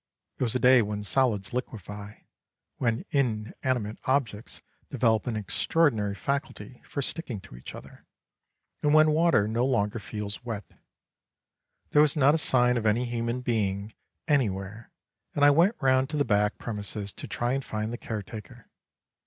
It was a day when solids liquefy, when inanimate objects develop an extraordinary faculty for sticking to each other, and when water no longer feels wet. There was not a sign of any human being anywhere, and I went round to the back premises to try and find the caretaker.